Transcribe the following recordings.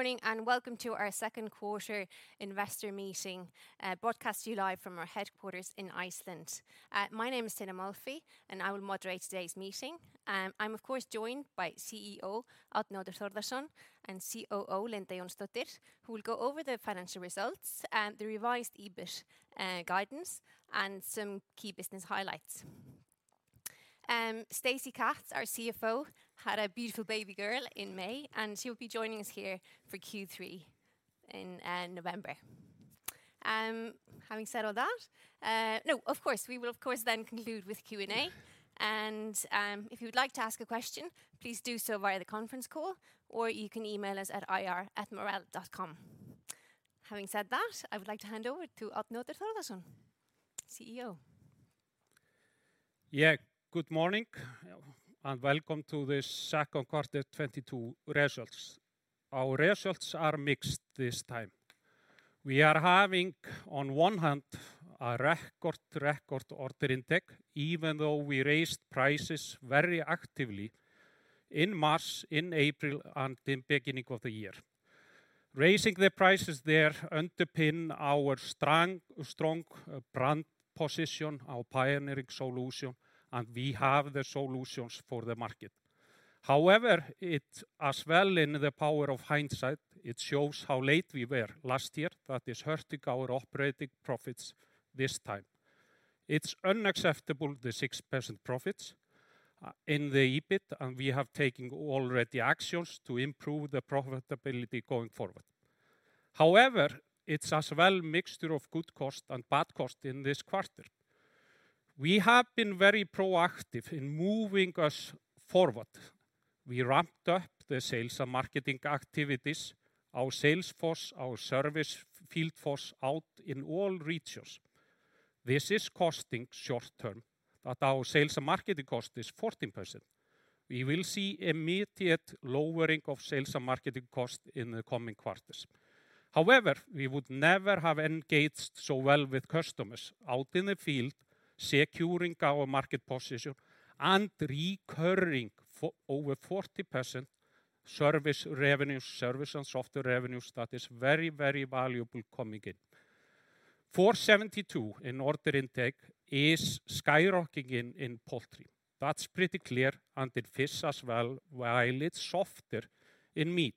Morning, welcome to our second quarter investor meeting, broadcast to you live from our headquarters in Iceland. My name is Tinna Molphy, and I will moderate today's meeting. I'm of course joined by CEO Árni Oddur Þórðarson and COO Linda Jónsdóttir, who will go over the financial results and the revised EBIT guidance and some key business highlights. Stacey Katz, our CFO, had a beautiful baby girl in May, and she will be joining us here for Q3 in November. Having said all that, we will of course then conclude with Q&A and, if you would like to ask a question, please do so via the conference call or you can email us at ir@marel.com. Having said that, I would like to hand over to Árni Oddur Þórðarson, CEO. Yeah. Good morning and welcome to this second quarter 2022 results. Our results are mixed this time. We are having, on one hand, a record order intake, even though we raised prices very actively in March, in April and the beginning of the year. Raising the prices there underpin our strong brand position, our pioneering solution, and we have the solutions for the market. However, it as well in the power of hindsight, it shows how late we were last year. That is hurting our operating profits this time. It's unacceptable, the 6% profits in the EBIT, and we have taken already actions to improve the profitability going forward. However, it's as well mixture of good cost and bad cost in this quarter. We have been very proactive in moving us forward. We ramped up the sales and marketing activities, our sales force, our service field force out in all regions. This is costing short-term that our sales and marketing cost is 14%. We will see immediate lowering of sales and marketing cost in the coming quarters. However, we would never have engaged so well with customers out in the field, securing our market position and recurring over 40% service revenues, service and software revenues. That is very, very valuable coming in. 472 million in order intake is skyrocketing in poultry. That's pretty clear, and in fish as well, while it's softer in meat.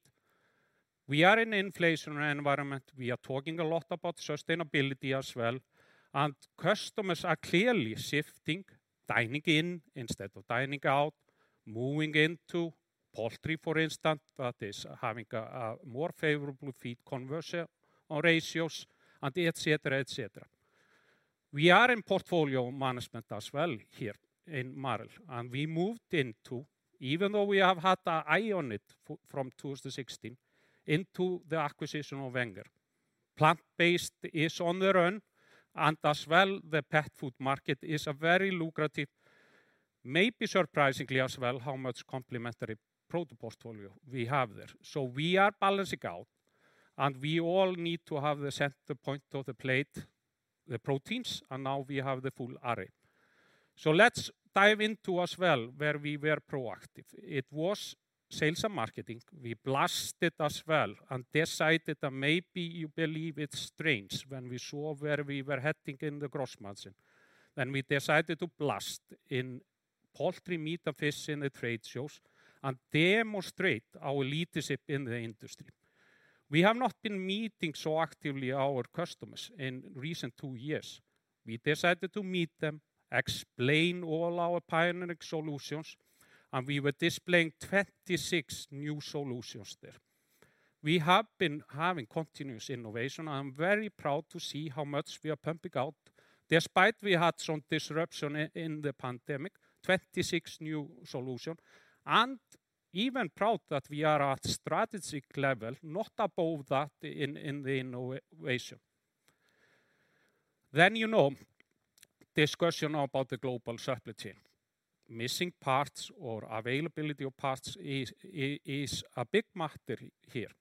We are in an inflationary environment. We are talking a lot about sustainability as well, and customers are clearly shifting, dining in instead of dining out, moving into poultry, for instance, that is having a more favorable feed conversion ratios etc. We are in portfolio management as well here in Marel, and we moved into, even though we have had an eye on it from 2016, into the acquisition of Wenger. Plant-based is on the run, and as well the pet food market is a very lucrative, maybe surprisingly as well, how much complementary product portfolio we have there. We are balancing out, and we all need to have the center point of the plate, the proteins, and now we have the full array. Let's dive into as well where we were proactive. It was sales and marketing. We invested as well and decided that maybe you believe it's strange when we saw where we were heading in the gross margin. We decided to invest in poultry, meat and fish in the trade shows and demonstrate our leadership in the industry. We have not been meeting so actively our customers in recent two years. We decided to meet them, explain all our pioneering solutions, and we were displaying 26 new solutions there. We have been having continuous innovation. I'm very proud to see how much we are pumping out despite we had some disruption in the pandemic, 26 new solution, and even proud that we are at strategic level, not above that in the innovation. You know, discussion about the global supply chain. Missing parts or availability of parts is a big matter here.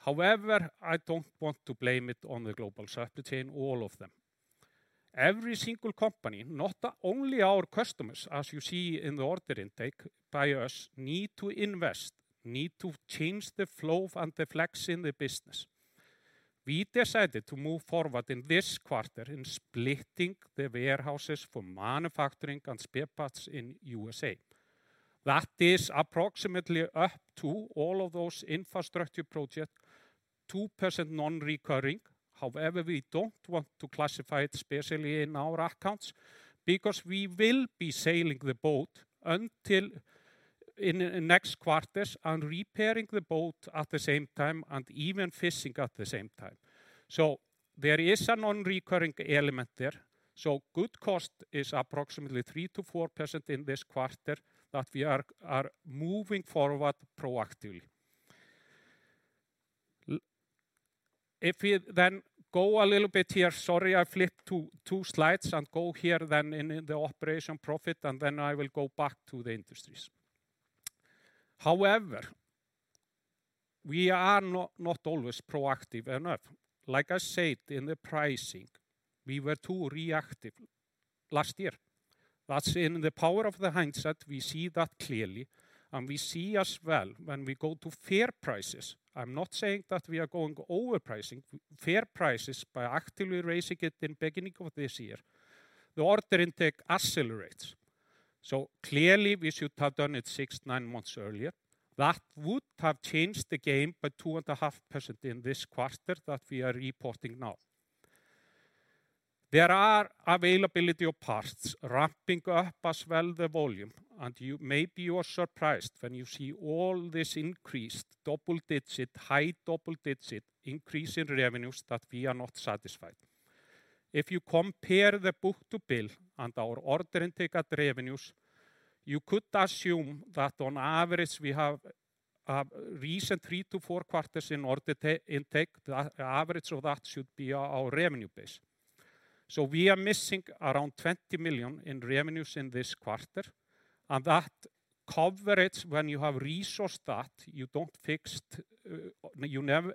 However, I don't want to blame it on the global supply chain, all of them. Every single company, not only our customers, as you see in the order intake by us, need to invest, need to change the flow and the flex in the business. We decided to move forward in this quarter in splitting the warehouses for manufacturing and spare parts in USA. That is approximately up to all of those infrastructure projects, 2% non-recurring. However, we don't want to classify it specially in our accounts because we will be sailing the boat until in next quarters and repairing the boat at the same time and even fishing at the same time. There is a non-recurring element there. Good cost is approximately 3%-4% in this quarter that we are moving forward proactively. If we then go a little bit here, sorry, I flipped two slides, and go here then in the operating profit, and then I will go back to the industries. However, we are not always proactive enough. Like I said, in the pricing, we were too reactive last year. That's with the power of hindsight, we see that clearly, and we see as well when we go to fair prices. I'm not saying that we are overpricing. Fair prices by actively raising it at the beginning of this year, the order intake accelerates. Clearly we should have done it six, nine months earlier. That would have changed the game by 2.5% in this quarter that we are reporting now. There is availability of parts ramping up as well as the volume, and you may be surprised when you see all this increased double-digit, high double-digit increase in revenues that we are not satisfied. If you compare the book-to-bill and our order intake to revenues, you could assume that on average we have in recent three to four quarters order intake. The average of that should be our revenue base. We are missing around 20 million in revenues in this quarter. That coverage, when you have resourced that, you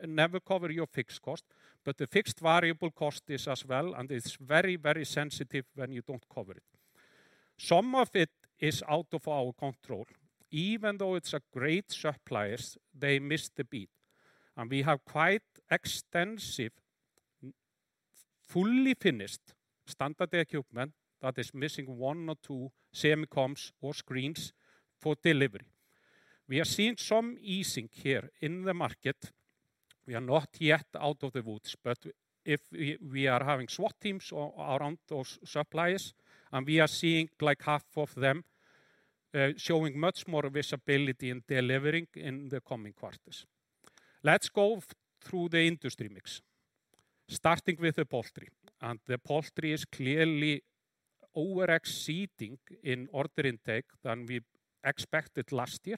never cover your fixed cost, but the fixed and variable cost is as well, and it's very sensitive when you don't cover it. Some of it is out of our control. Even though it's great suppliers, they missed the beat. We have quite extensive, fully finished standard equipment that is missing one or two semiconductors or screens for delivery. We are seeing some easing here in the market. We are not yet out of the woods, but we are having SWAT teams around those suppliers, and we are seeing like half of them showing much more visibility in delivering in the coming quarters. Let's go through the industry mix. Starting with the poultry, the poultry is clearly exceeding in order intake than we expected last year,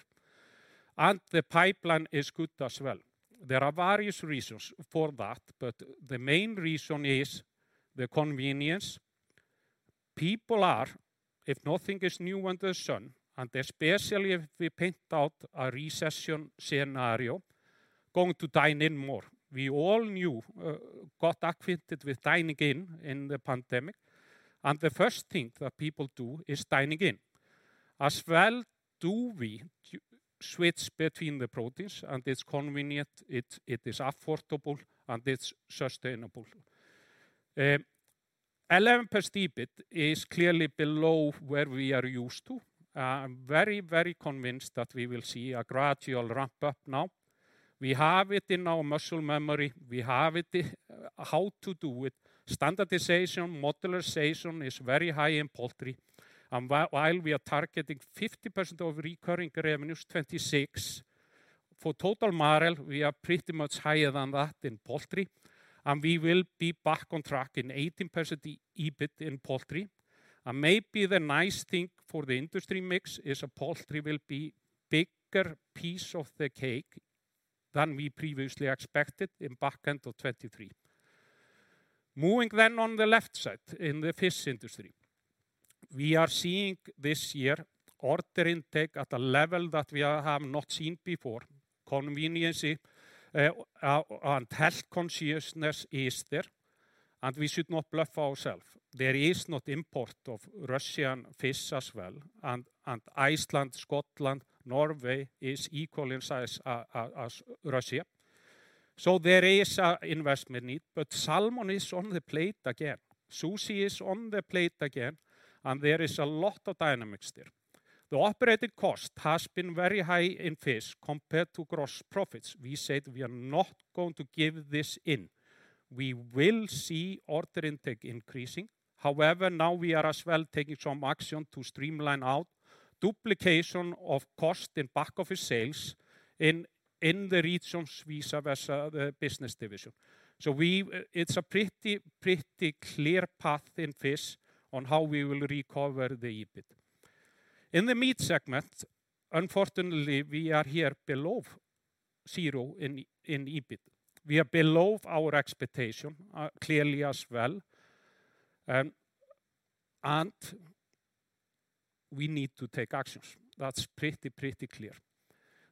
and the pipeline is good as well. There are various reasons for that, but the main reason is the convenience. People are, if nothing is new under the sun, and especially if we paint out a recession scenario, going to dine in more. We all knew got acquainted with dining in in the pandemic, and the first thing that people do is dining in. As well do we switch between the proteins, and it's convenient, it is affordable, and it's sustainable. 11% EBIT is clearly below where we are used to. I'm very, very convinced that we will see a gradual ramp up now. We have it in our muscle memory. We have it how to do it. Standardization, modularization is very high in poultry. While we are targeting 50% of recurring revenues, 26% for total Marel, we are pretty much higher than that in poultry, and we will be back on track in 18% EBIT in poultry. Maybe the nice thing for the industry mix is that poultry will be bigger piece of the cake than we previously expected in back end of 2023. Moving on the left side in the fish industry. We are seeing this year order intake at a level that we have not seen before. Convenience and health consciousness is there, and we should not bluff ourselves. There is no import of Russian fish as well, and Iceland, Scotland, Norway is equal in size as Russia. So there is an investment need, but salmon is on the plate again. Sushi is on the plate again, and there is a lot of dynamics there. The operating cost has been very high in fish compared to gross profits. We said we are not going to give this in. We will see order intake increasing. However, now we are as well taking some action to streamline out duplication of cost in back office sales in the regions vis-à-vis the business division. It's a pretty clear path in fish on how we will recover the EBIT. In the meat segment, unfortunately, we are here below zero in EBIT. We are below our expectation, clearly as well. We need to take actions. That's pretty clear.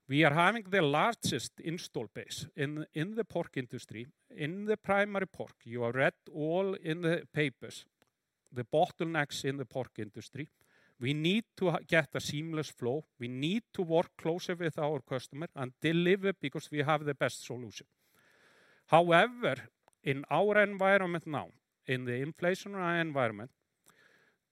We are having the largest install base in the pork industry. In the primary pork, you have read all in the papers the bottlenecks in the pork industry. We need to get a seamless flow. We need to work closer with our customer and deliver because we have the best solution. However, in our environment now, in the inflationary environment,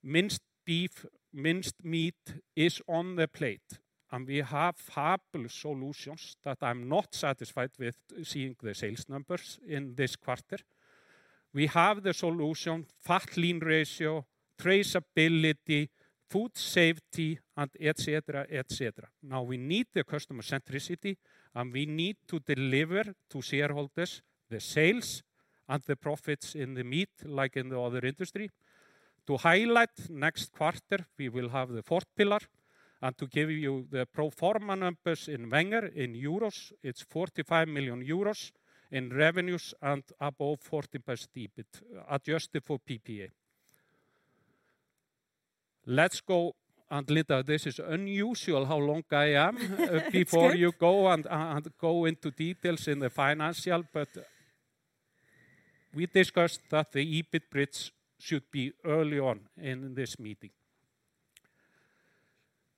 minced beef, minced meat is on the plate, and we have fabulous solutions that I'm not satisfied with seeing the sales numbers in this quarter. We have the solution, fat-lean ratio, traceability, food safety, and etc. Now we need the customer centricity, and we need to deliver to shareholders the sales and the profits in the meat like in the other industry. To highlight next quarter, we will have the fourth pillar, and to give you the pro forma numbers in Wenger in euros, it's 45 million euros in revenues and above 40% EBIT, adjusted for PPA. Let's go, and Linda, this is unusual how long I am. Before you go and go into details in the financials, but we discussed that the EBIT bridge should be early on in this meeting.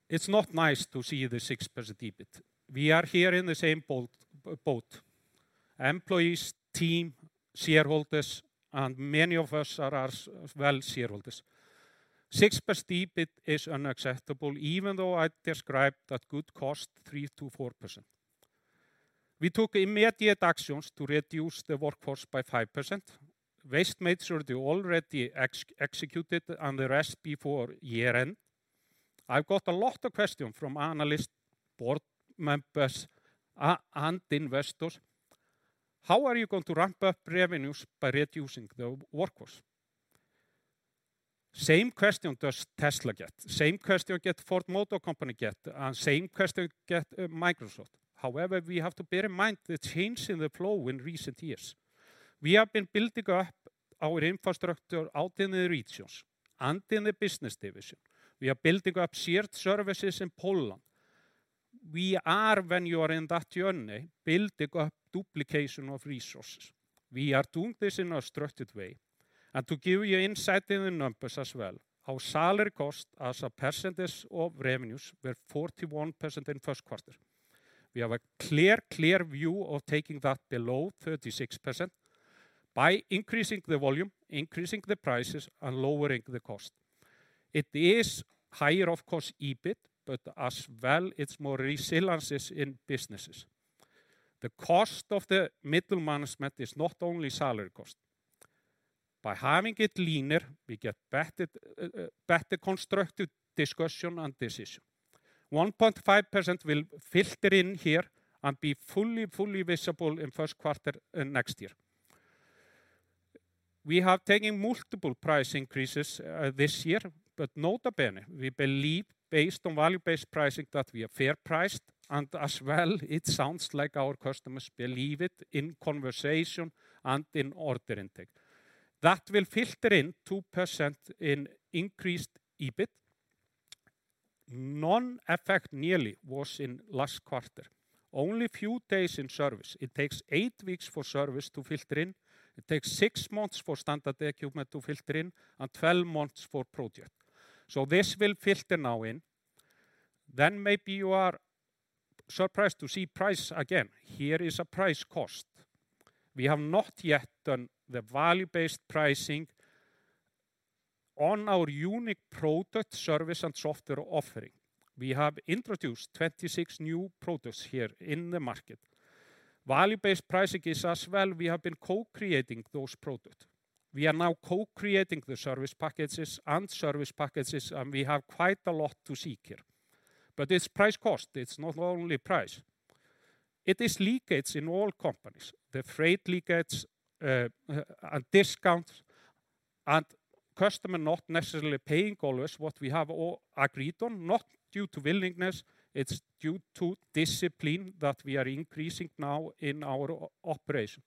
It's not nice to see the 6% EBIT. We are here in the same boat. Employees, team, shareholders, and many of us are as well shareholders. 6% EBIT is unacceptable even though I described that could cost 3%-4%. We took immediate actions to reduce the workforce by 5%. Waste material they already executed and the rest before year-end. I've got a lot of questions from analysts, board members, and investors. How are you going to ramp up revenues by reducing the workforce? Same question does Tesla get, same question get Ford Motor Company get, and same question get Microsoft. However, we have to bear in mind the change in the flow in recent years. We have been building up our infrastructure out in the regions and in the business division. We are building up shared services in Poland. We are when you are in that journey, building up duplication of resources. We are doing this in a structured way. To give you insight in the numbers as well, our salary cost as a percentage of revenues were 41% in first quarter. We have a clear view of taking that below 36% by increasing the volume, increasing the prices, and lowering the cost. It is higher of course EBIT, but as well it's more resilience in businesses. The cost of the middle management is not only salary cost. By having it leaner, we get better constructed discussion and decision. 1.5% will filter in here and be fully visible in first quarter next year. We have taken multiple price increases this year, but notably, we believe based on value-based pricing that we are fairly priced and as well it sounds like our customers believe it in conversation and in order intake. That will filter in 2% increase in EBIT. No effect nearly was in last quarter. Only few days in service. It takes eight weeks for service to filter in. It takes six months for standard equipment to filter in and 12 months for projects. This will filter now in. Maybe you are surprised to see price again. Here is a price cost. We have not yet done the value-based pricing on our unique product, service, and software offering. We have introduced 26 new products here in the market. Value-based pricing is as well we have been co-creating those products. We are now co-creating the service packages, and we have quite a lot to seek here. It's price cost. It's not only price. It is leakages in all companies. The freight leakages, and discounts, and customer not necessarily paying always what we have all agreed on, not due to willingness, it's due to discipline that we are increasing now in our operation.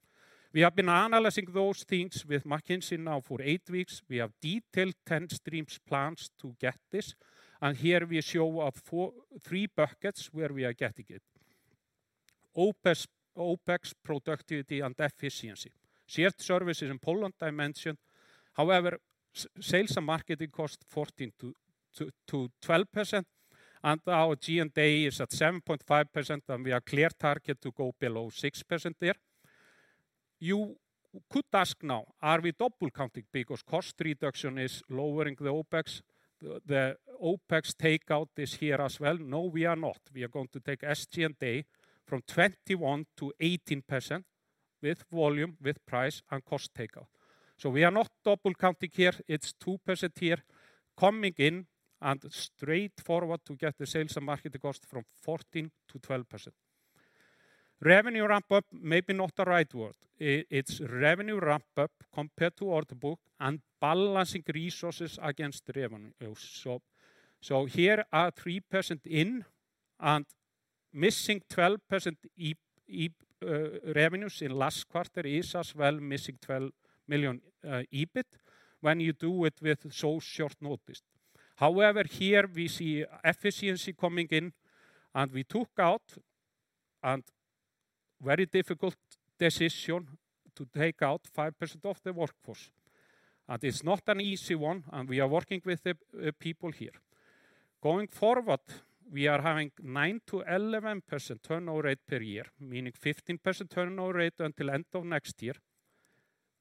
We have been analyzing those things with McKinsey now for eight weeks. We have detailed 10 streams plans to get this, and here we show three buckets where we are getting it. OpEx, productivity and efficiency. Shared services in Poland I mentioned. However, sales and marketing cost 14% to 12%, and our G&A is at 7.5%, and we are clear target to go below 6% there. You could ask now, are we double counting because cost reduction is lowering the OpEx. The OpEx takeout is here as well. No, we are not. We are going to take SG&A from 21% to 18% with volume, with price and cost takeout. We are not double counting here. It's 2% here coming in and straightforward to get the sales and marketing cost from 14% to 12%. Revenue ramp-up may be not the right word. It's revenue ramp-up compared to order book and balancing resources against revenue. Here are 3% in and missing 12% revenues in last quarter is as well missing 12 million EBIT when you do it with so short notice. However, here we see efficiency coming in, and we took out and very difficult decision to take out 5% of the workforce. It's not an easy one, and we are working with the people here. Going forward, we are having 9%-11% turnover rate per year, meaning 15% turnover rate until end of next year.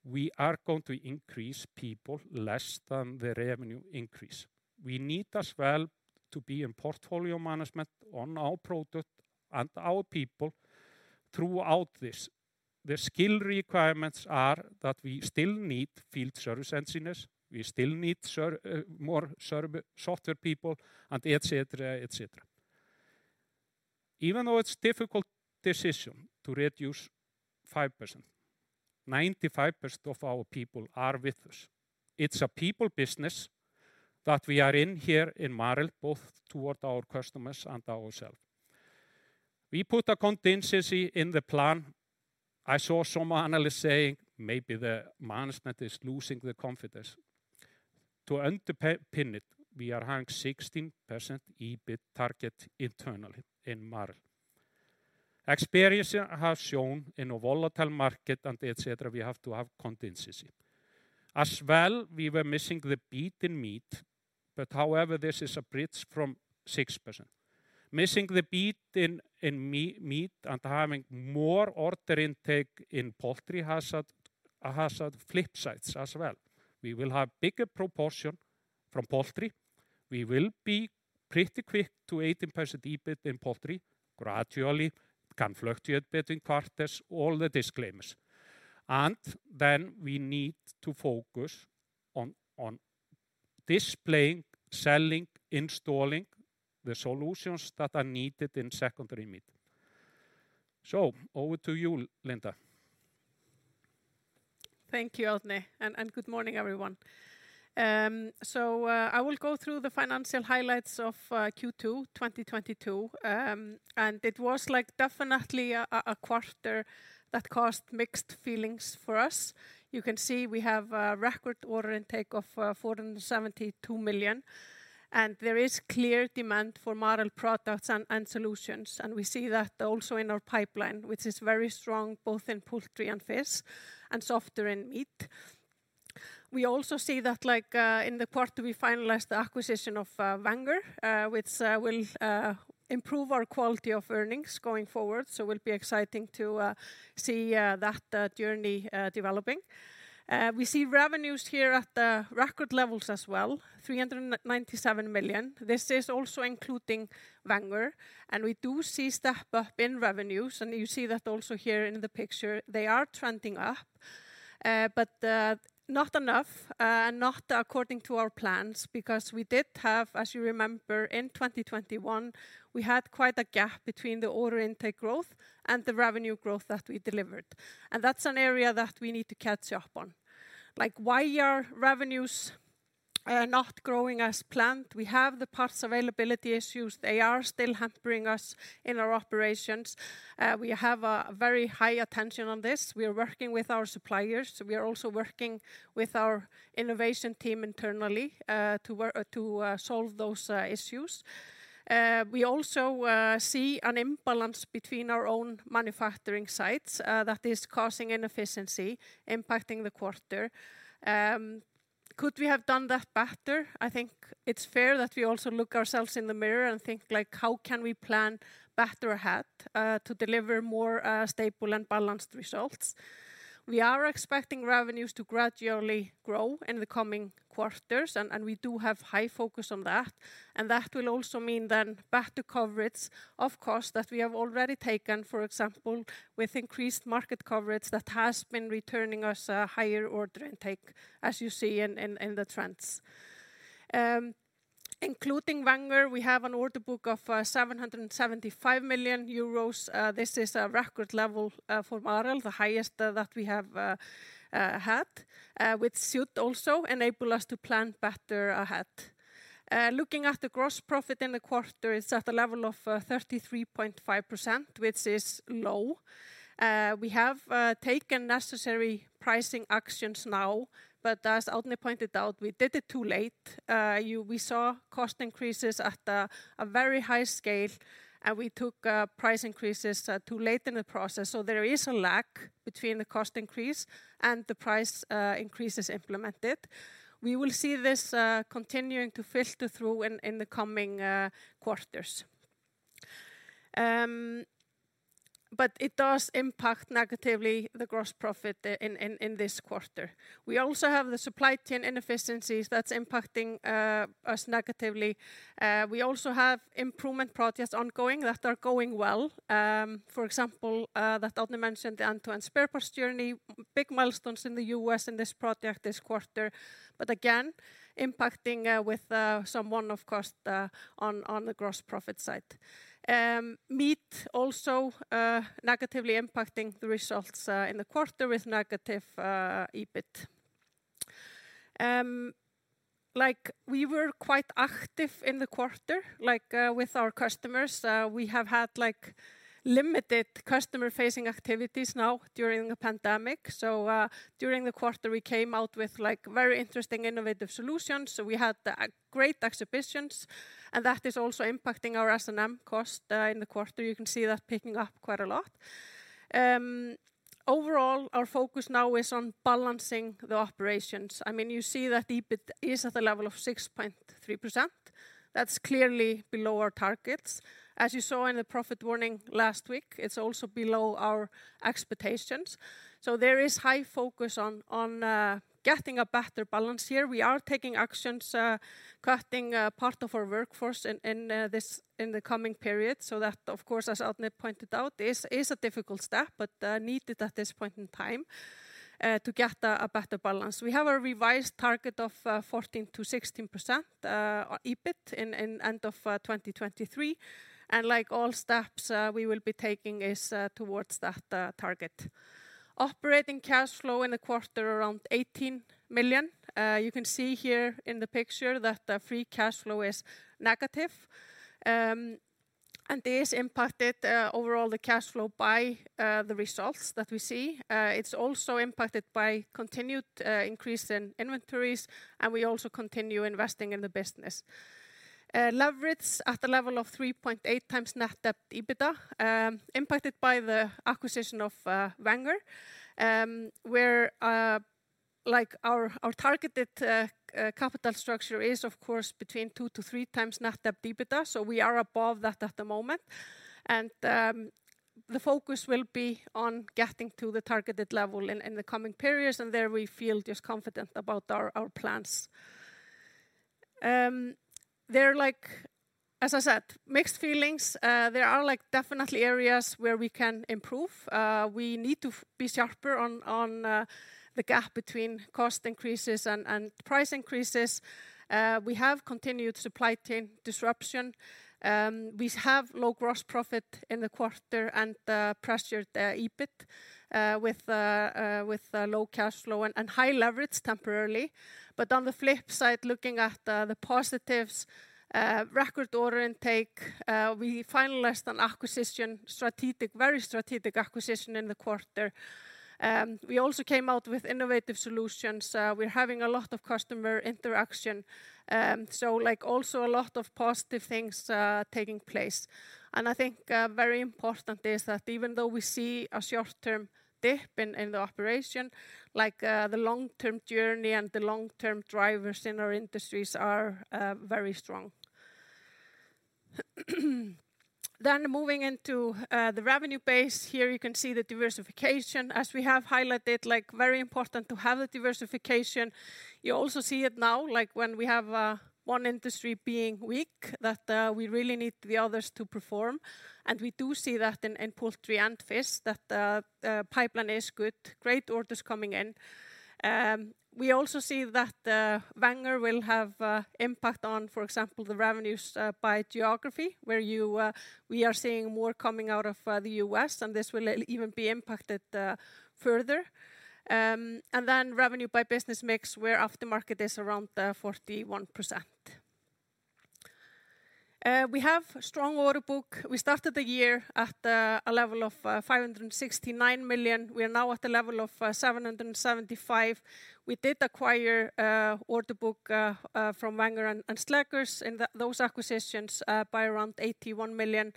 We are going to increase people less than the revenue increase. We need as well to be in portfolio management on our product and our people throughout this. The skill requirements are that we still need field service engineers, we still need more software people and etc. Even though it's difficult decision to reduce 5%, 95% of our people are with us. It's a people business that we are in here in Marel, both toward our customers and ourselves. We put a contingency in the plan. I saw some analyst saying maybe the management is losing the confidence. To underpin it, we are having 16% EBIT target internally in Marel. Experience has shown in a volatile market and et cetera, we have to have contingency. As well, we were missing the beat in meat, but however, this is a bridge from 6%. Missing the beat in meat and having more order intake in poultry has had flip sides as well. We will have bigger proportion from poultry. We will be pretty quick to 18% EBIT in poultry. Gradually can fluctuate between quarters, all the disclaimers. We need to focus on displaying, selling, installing the solutions that are needed in secondary meat. Over to you, Linda. Thank you, Árni, and good morning, everyone. I will go through the financial highlights of Q2 2022. It was like definitely a quarter that caused mixed feelings for us. You can see we have a record order intake of 472 million, and there is clear demand for Marel products and solutions. We see that also in our pipeline, which is very strong both in poultry and fish, and softer in meat. We also see that like in the quarter, we finalized the acquisition of Valka, which will improve our quality of earnings going forward. It will be exciting to see that journey developing. We see revenues here at record levels as well, 397 million. This is also including Valka, and we do see step-up in revenues, and you see that also here in the picture. They are trending up, but not enough, and not according to our plans, because we did have, as you remember, in 2021, we had quite a gap between the order intake growth and the revenue growth that we delivered. That's an area that we need to catch up on. Like, why are revenues not growing as planned? We have the parts availability issues. They are still hampering us in our operations. We have a very high attention on this. We are working with our suppliers. We are also working with our innovation team internally to solve those issues. We also see an imbalance between our own manufacturing sites that is causing inefficiency, impacting the quarter. Could we have done that better? I think it's fair that we also look ourselves in the mirror and think, like, how can we plan better ahead to deliver more stable and balanced results? We are expecting revenues to gradually grow in the coming quarters and we do have high focus on that. That will also mean then better coverage of cost that we have already taken, for example, with increased market coverage that has been returning us a higher order intake, as you see in the trends. Including Valka, we have an order book of 775 million euros. This is a record level for Marel, the highest that we have had, which should also enable us to plan better ahead. Looking at the gross profit in the quarter, it's at a level of 33.5%, which is low. We have taken necessary pricing actions now, but as Árni pointed out, we did it too late. We saw cost increases at a very high scale, and we took price increases too late in the process. There is a lag between the cost increase and the price increases implemented. We will see this continuing to filter through in the coming quarters. It does impact negatively the gross profit in this quarter. We also have the supply chain inefficiencies that's impacting us negatively. We also have improvement projects ongoing that are going well. For example, that Árni mentioned, the end-to-end spare parts journey. Big milestones in the U.S. in this project this quarter. Again, impacting with some one-off cost on the gross profit side. Meat also negatively impacting the results in the quarter with negative EBIT. Like, we were quite active in the quarter, like, with our customers. We have had, like, limited customer-facing activities now during the pandemic. During the quarter, we came out with, like, very interesting innovative solutions. We had great exhibitions, and that is also impacting our S&M cost in the quarter. You can see that picking up quite a lot. Overall, our focus now is on balancing the operations. I mean, you see that EBIT is at a level of 6.3%. That's clearly below our targets. As you saw in the profit warning last week, it's also below our expectations. There is high focus on getting a better balance here. We are taking actions, cutting part of our workforce in the coming period. That, of course, as Árni pointed out, is a difficult step, but needed at this point in time to get a better balance. We have a revised target of 14%-16% EBIT in end of 2023. Like all steps we will be taking is towards that target. Operating cash flow in the quarter around 18 million. You can see here in the picture that the free cash flow is negative. This impacted overall the cash flow by the results that we see. It's also impacted by continued increase in inventories, and we also continue investing in the business. Leverage at a level of 3.8x net debt to EBITDA, impacted by the acquisition of Valka, like our targeted capital structure is of course between 2x-3x net debt to EBITDA, so we are above that at the moment. The focus will be on getting to the targeted level in the coming periods, and there we feel just confident about our plans. There are like, as I said, mixed feelings. There are like definitely areas where we can improve. We need to be sharper on the gap between cost increases and price increases. We have continued supply chain disruption. We have low gross profit in the quarter and pressured EBIT with low cash flow and high leverage temporarily. On the flip side, looking at the positives, record order intake, we finalized an acquisition, very strategic acquisition in the quarter. We also came out with innovative solutions. We're having a lot of customer interaction. So like also a lot of positive things taking place. I think very important is that even though we see a short-term dip in the operation, like the long-term journey and the long-term drivers in our industries are very strong. Moving into the revenue base. Here you can see the diversification. As we have highlighted, like very important to have the diversification. You also see it now, like when we have one industry being weak, that we really need the others to perform. We do see that in poultry and fish, that pipeline is good, great orders coming in. We also see that Wenger will have impact on, for example, the revenues by geography, where we are seeing more coming out of the U.S. and this will even be impacted further. Revenue by business mix where aftermarket is around 41%. We have strong order book. We started the year at a level of 569 million. We are now at the level of 775 million. We did acquire order book from Wenger and Sleegers in those acquisitions by around 81 million.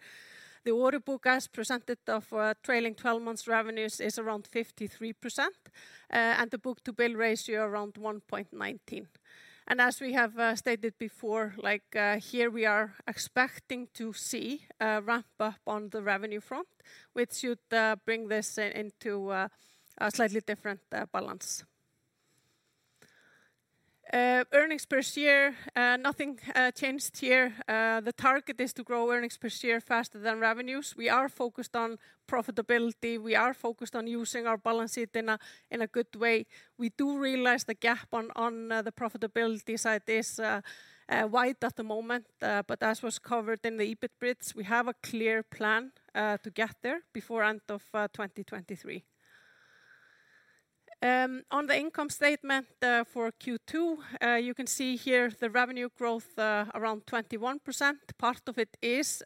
The order book as percentage of trailing twelve months revenues is around 53%, and the book-to-bill ratio around 1.19. As we have stated before, like, here we are expecting to see a ramp up on the revenue front, which should bring this into a slightly different balance. Earnings per share, nothing changed here. The target is to grow earnings per share faster than revenues. We are focused on profitability. We are focused on using our balance sheet in a good way. We do realize the gap on the profitability side is wide at the moment, but as was covered in the EBIT bridge, we have a clear plan to get there before end of 2023. On the income statement for Q2, you can see here the revenue growth around 21%. Part of it is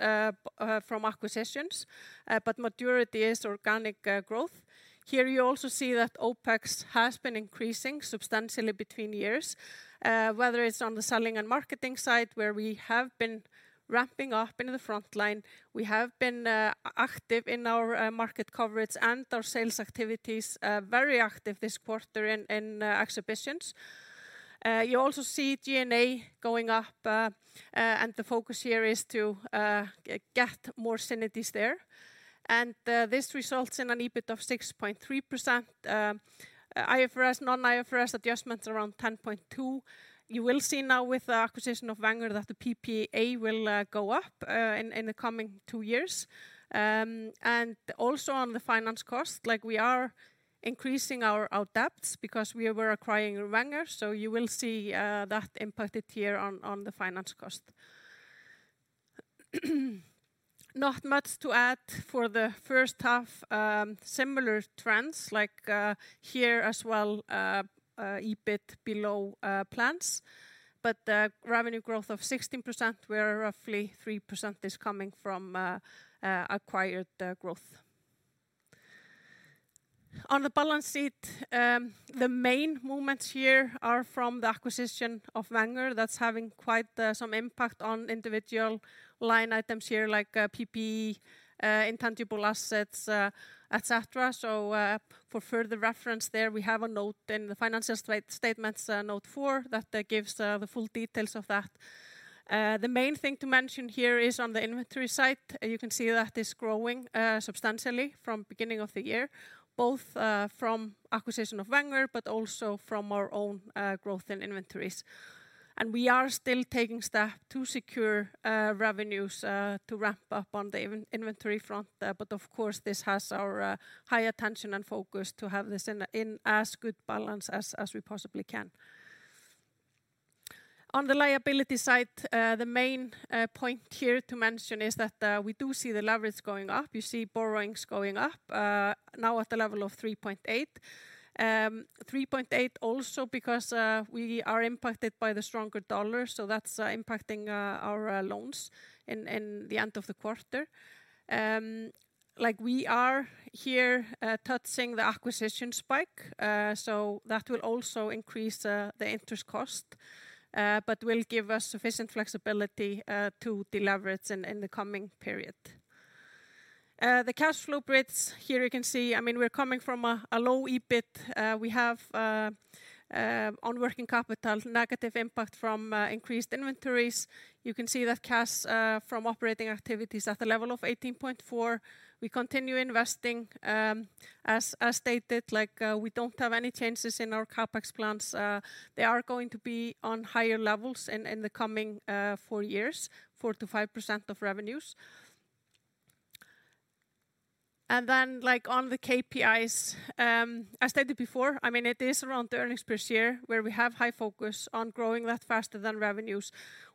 from acquisitions, but majority is organic growth. Here you also see that OpEx has been increasing substantially between years, whether it's on the selling and marketing side where we have been ramping up in the front line. We have been active in our market coverage and our sales activities are very active this quarter in exhibitions. You also see G&A going up and the focus here is to get more synergies there. This results in an EBIT of 6.3%. IFRS non-IFRS adjustments around 10.2%. You will see now with the acquisition of Wenger that the PPA will go up in the coming two years. Also on the finance cost, like we are increasing our debts because we were acquiring Wenger, so you will see that impacted here on the finance cost. Not much to add for the first half. Similar trends like here as well, EBIT below plans. The revenue growth of 16%, where roughly 3% is coming from acquired growth. On the balance sheet, the main movements here are from the acquisition of Wenger that's having quite some impact on individual line items here like PPE, intangible assets, etc. For further reference there, we have a note in the financial statements, note fout, that gives the full details of that. The main thing to mention here is on the inventory side. You can see that is growing substantially from beginning of the year, both from acquisition of Wenger, but also from our own growth in inventories. We are still taking steps to secure revenues to ramp up on the inventory front, but of course, this has our high attention and focus to have this in as good balance as we possibly can. On the liability side, the main point here to mention is that we do see the leverage going up. You see borrowings going up now at the level of 3.8x. 3.8x also because we are impacted by the stronger dollar, so that's impacting our loans in the end of the quarter. Like we are here touching the acquisition spike, so that will also increase the interest cost but will give us sufficient flexibility to deleverage in the coming period. The cash flow bridge. Here you can see, I mean, we're coming from a low EBIT. We have on working capital, negative impact from increased inventories. You can see that cash from operating activities at the level of 18.4 million. We continue investing, as stated, like, we don't have any changes in our CapEx plans. They are going to be on higher levels in the coming four years, 4%-5% of revenues. Like, on the KPIs, as stated before, I mean it is around earnings per share where we have high focus on growing that faster than revenues.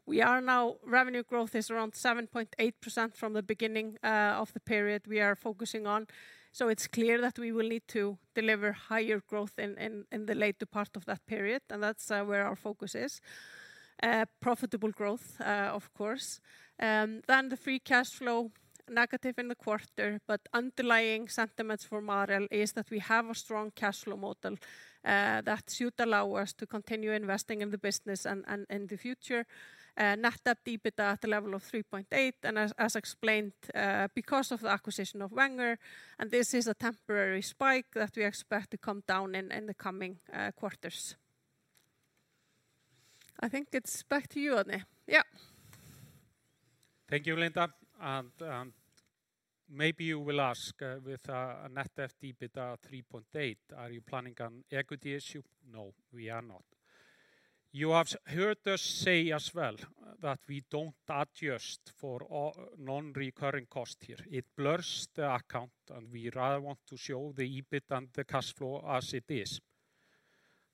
Revenue growth is around 7.8% from the beginning of the period we are focusing on, so it's clear that we will need to deliver higher growth in the later part of that period, and that's where our focus is. Profitable growth, of course. The free cash flow negative in the quarter, but underlying sentiments for Marel is that we have a strong cash flow model that should allow us to continue investing in the business and in the future. Net debt to EBITDA at a level of 3.8x and as explained because of the acquisition of Wenger, and this is a temporary spike that we expect to come down in the coming quarters. I think it's back to you, Árni. Yeah. Thank you, Linda. Maybe you will ask, with a net debt to EBITDA 3.8x, are you planning on equity issue? No, we are not. You have heard us say as well that we don't adjust for all non-recurring costs here. It blurs the account, and we rather want to show the EBIT and the cash flow as it is.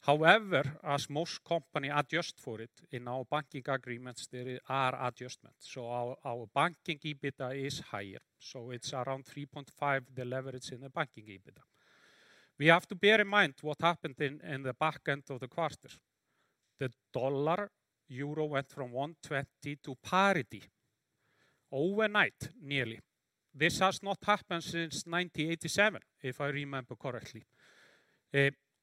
However, as most company adjust for it, in our banking agreements, there are adjustments. Our banking EBITDA is higher, so it's around 3.5x, the leverage in the banking EBITDA. We have to bear in mind what happened in the back end of the quarter. The dollar euro went from $1.20 to parity overnight, nearly. This has not happened since 1987, if I remember correctly.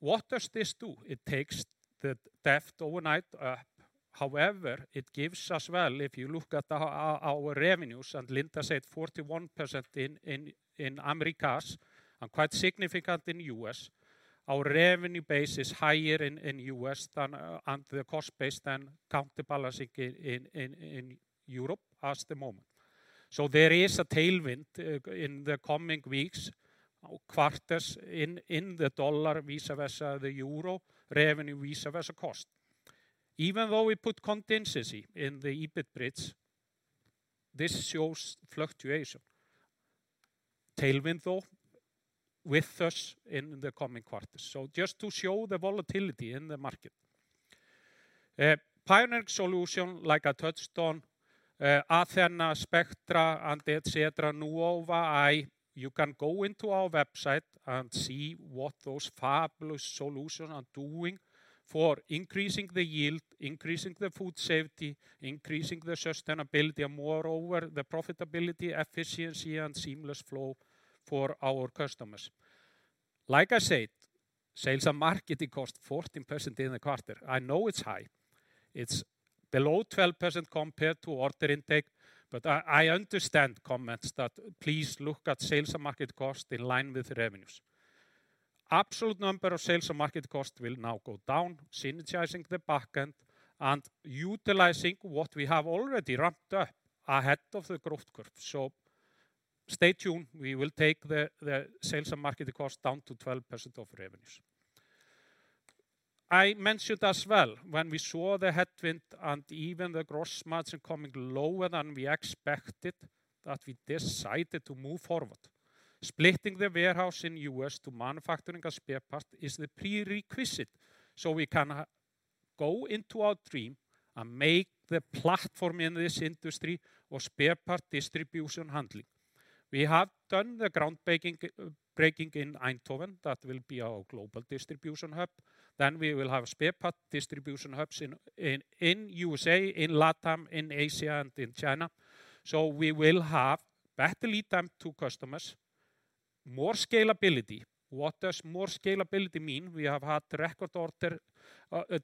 What does this do? It takes the debt overnight up. However, it gives us, well, if you look at our revenues, and Linda said 41% in Americas and quite significant in U.S., our revenue base is higher in U.S. than the cost base counterbalancing in Europe at the moment. There is a tailwind in the coming weeks or quarters in the dollar vis-à-vis the euro, revenue vis-à-vis cost. Even though we put contingency in the EBIT bridge, this shows fluctuation. Tailwind though with us in the coming quarters. Just to show the volatility in the market. Pioneering solution like I touched on, Athena, Spectra, and etc., Nuova-i, you can go into our website and see what those fabulous solution are doing for increasing the yield, increasing the food safety, increasing the sustainability, and moreover, the profitability, efficiency, and seamless flow for our customers. Like I said, sales and marketing cost 14% in the quarter. I know it's high. It's below 12% compared to order intake, but I understand comments that please look at sales and marketing cost in line with revenues. Absolute number of sales and marketing cost will now go down, synergizing the back end and utilizing what we have already ramped up ahead of the growth curve. Stay tuned. We will take the sales and marketing cost down to 12% of revenues. I mentioned as well when we saw the headwind and even the gross margin coming lower than we expected, that we decided to move forward. Splitting the warehouse in U.S. to manufacturing a spare part is the prerequisite so we can go into our dream and make the platform in this industry for spare part distribution handling. We have done the groundbreaking breaking in Eindhoven. That will be our global distribution hub. We will have spare part distribution hubs in USA, in Latam, in Asia, and in China. We will have better lead time to customers, more scalability. What does more scalability mean? We have had record order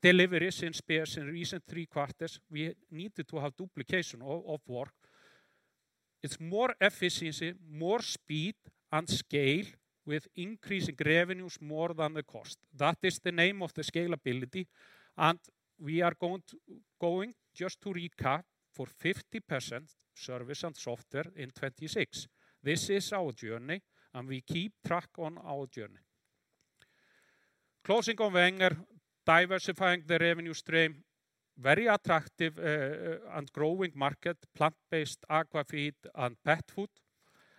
deliveries in spares in recent three quarters. We needed to have duplication of work. It's more efficiency, more speed, and scale with increasing revenues more than the cost. That is the aim of scalability, and we are going just to recap for 50% service and software in 2026. This is our journey, and we keep track of our journey. Closing on Wenger, diversifying the revenue stream, very attractive and growing market, plant-based aqua feed and pet food.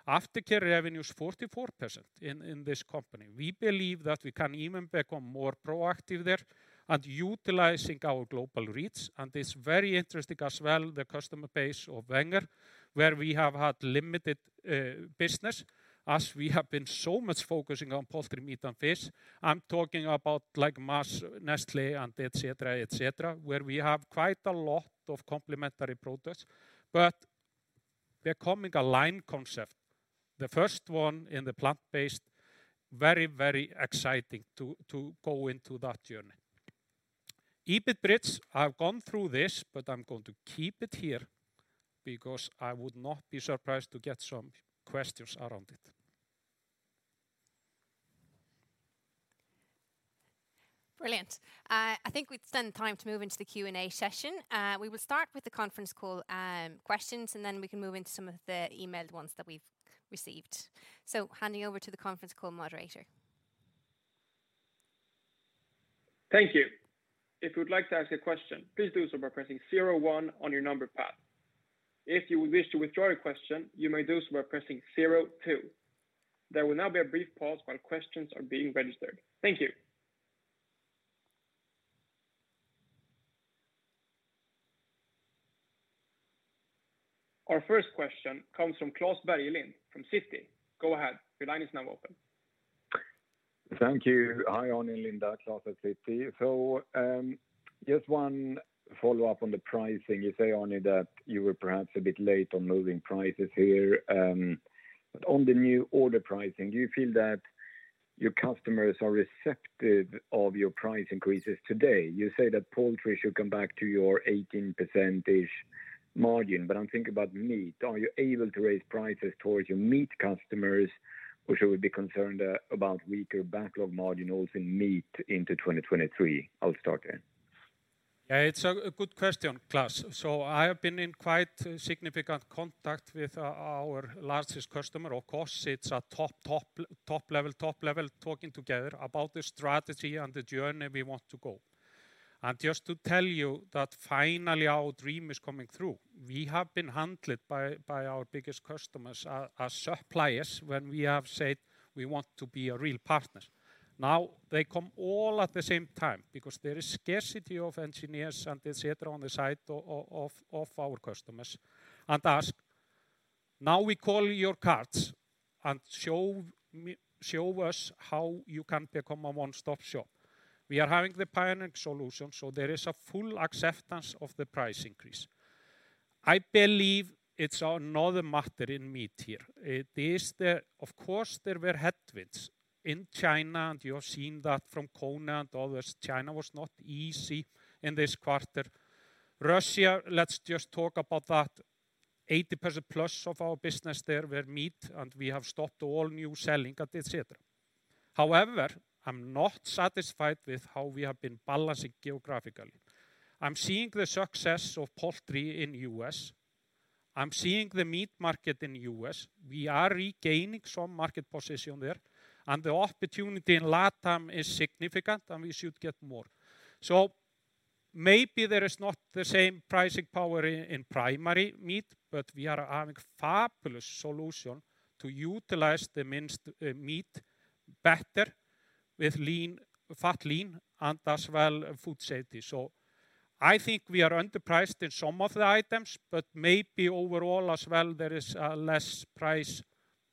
Aftercare revenue is 44% in this company. We believe that we can even become more proactive there and utilizing our global reach, and it's very interesting as well the customer base of Wenger, where we have had limited business, as we have been so much focusing on poultry, meat, and fish. I'm talking about like Mars, Nestlé, and etc., where we have quite a lot of complementary products. We're coming to align concepts. The first one in the plant-based, very, very exciting to go into that journey. EBIT bridge. I've gone through this, but I'm going to keep it here because I would not be surprised to get some questions around it. Brilliant. I think we'd spend time to move into the Q&A session. We will start with the conference call questions, and then we can move into some of the emailed ones that we've received. Handing over to the conference call moderator. Thank you. If you would like to ask a question, please do so by pressing zero-one on your number pad. If you wish to withdraw your question, you may do so by pressing zero-two. There will now be a brief pause while questions are being registered. Thank you. Our first question comes from Klas Bergelind, from Citi. Go ahead. Your line is now open. Thank you. Hi, Árni and Linda. Klas at Citi. Just one follow-up on the pricing. You say, Árni, that you were perhaps a bit late on moving prices here, but on the new order pricing, do you feel that your customers are receptive of your price increases today? You say that poultry should come back to your 18%-ish margin, but I'm thinking about meat. Are you able to raise prices towards your meat customers, or should we be concerned about weaker backlog margin also in meat into 2023? I'll start there. Yeah, it's a good question, Klas. I have been in quite significant contact with our largest customer. Of course, it's a top level talking together about the strategy and the journey we want to go. Just to tell you that finally our dream is coming through. We have been handled by our biggest customers as suppliers when we have said we want to be a real partner. Now they come all at the same time because there is scarcity of engineers and et cetera on the side of our customers and ask, "Now we call your cards and show us how you can become a one-stop shop." We are having the pioneering solution, so there is a full acceptance of the price increase. I believe it's another matter in meat here. Of course, there were headwinds in China, and you have seen that from [Corona] and others. China was not easy in this quarter. Russia, let's just talk about that. 80%+ of our business there were meat, and we have stopped all new selling and etc. However, I'm not satisfied with how we have been balancing geographically. I'm seeing the success of poultry in U.S. I'm seeing the meat market in U.S. We are regaining some market position there, and the opportunity in LATAM is significant, and we should get more. Maybe there is not the same pricing power in primary meat, but we are having fabulous solution to utilize the minced meat better with lean, fat lean, and as well food safety. I think we are underpriced in some of the items, but maybe overall as well, there is less pricing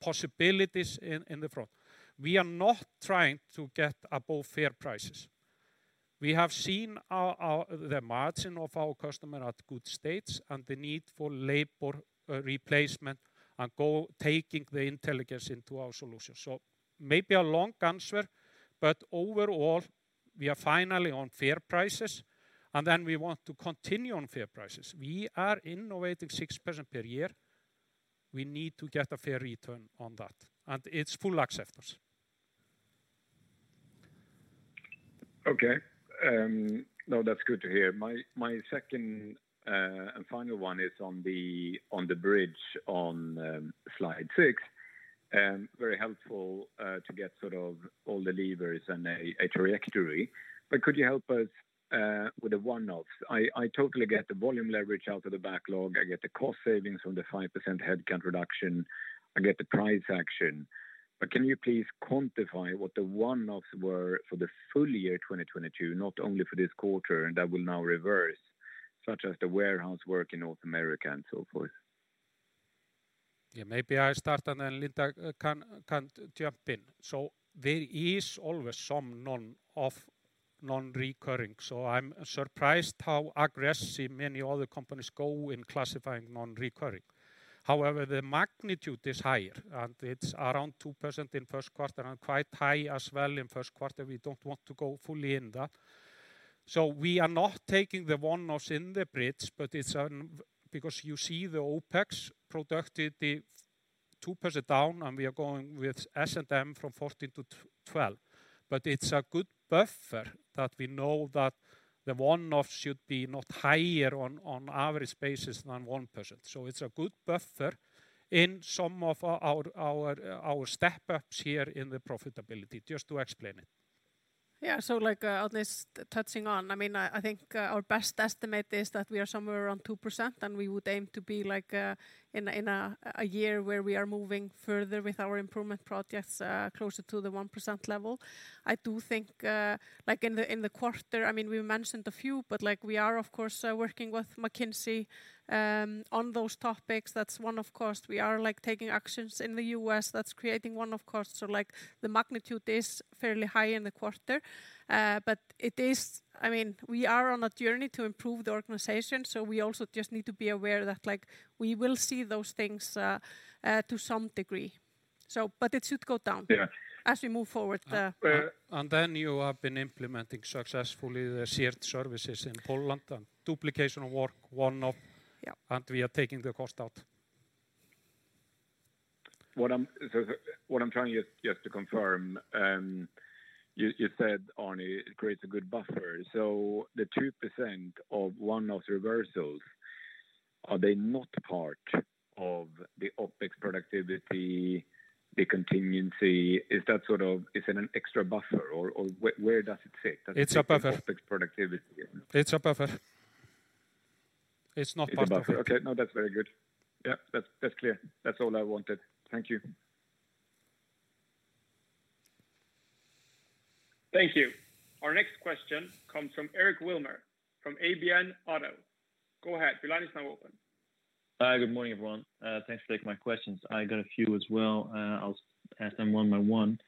possibilities in the front. We are not trying to get above fair prices. We have seen the margin of our customer at good states and the need for labor replacement and taking the intelligence into our solution. Maybe a long answer, but overall, we are finally on fair prices, and then we want to continue on fair prices. We are innovating 6% per year. We need to get a fair return on that, and it's full acceptance. Okay. No, that's good to hear. My second and final one is on the bridge on slide six. Very helpful to get sort of all the levers and a trajectory, but could you help us with the one-offs? I totally get the volume leverage out of the backlog. I get the cost savings from the 5% headcount reduction. I get the price action. Can you please quantify what the one-offs were for the full year 2022, not only for this quarter, and that will now reverse, such as the warehouse work in North America and so forth? Yeah, maybe I start and then Linda can jump in. There is always some non-recurring. I'm surprised how aggressive many other companies go in classifying non-recurring. However, the magnitude is higher, and it's around 2% in first quarter and quite high as well in first quarter. We don't want to go fully in that. We are not taking the one-offs in the bridge, but it's because you see the OPEX productivity 2% down, and we are going with S&M from 14% to 12%. It's a good buffer that we know that the one-off should be not higher on average basis than 1%. It's a good buffer in some of our step-ups here in the profitability, just to explain it. Yeah. Like, at least touching on, I mean, I think our best estimate is that we are somewhere around 2%, and we would aim to be like in a year where we are moving further with our improvement projects closer to the 1% level. I do think like in the quarter, I mean, we mentioned a few, but like we are of course working with McKinsey on those topics. That's one, of course, we are like taking actions in the U.S. that's creating one, of course. Like the magnitude is fairly high in the quarter. I mean, we are on a journey to improve the organization, so we also just need to be aware that like we will see those things to some degree. But it should go down as we move forward, yeah. Then you have been implementing successfully the shared services in Poland and duplication of work one off and we are taking the cost out. What I'm trying just to confirm, you said, Árni, it creates a good buffer. The 2% of one-off reversals, are they not part of the OpEx productivity, the contingency? Is that an extra buffer or where does it fit? It's a buffer. It's not part of it. It's a buffer. Okay. No, that's very good. Yeah, that's clear. That's all I wanted. Thank you. Thank you. Our next question comes from Eric Wilmer, from ABN AMRO. Go ahead. Your line is now open. Hi, good morning, everyone. Thanks for taking my questions. I got a few as well. I'll ask them one by one.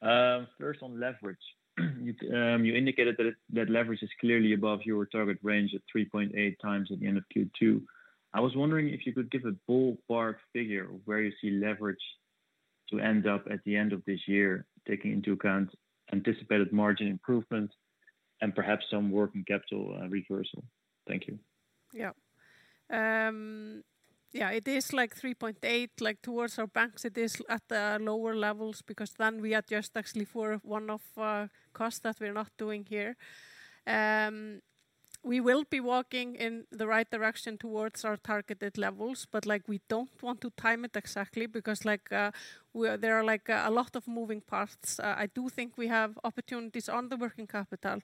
First on leverage. You indicated that leverage is clearly above your target range at 3.8x at the end of Q2. I was wondering if you could give a ballpark figure of where you see leverage to end up at the end of this year, taking into account anticipated margin improvement and perhaps some working capital reversal. Thank you. Yeah, it is like 3.8x, like towards our banks. It is at the lower levels because then we adjust actually for one-off cost that we're not doing here. We will be walking in the right direction towards our targeted levels, but like, we don't want to time it exactly because like, there are like a lot of moving parts. I do think we have opportunities on the working capital,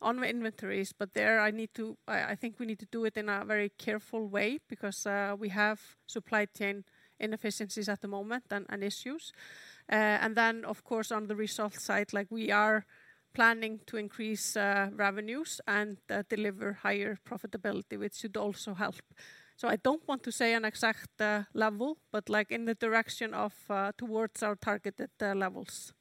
on inventories, but there I think we need to do it in a very careful way because we have supply chain inefficiencies at the moment and issues. Of course, on the result side, like we are planning to increase revenues and deliver higher profitability, which should also help. I don't want to say an exact level, but like in the direction of towards our targeted levels.